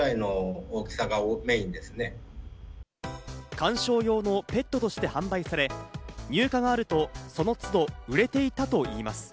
観賞用のペットとして販売され、入荷があるとその都度、売れていたといいます。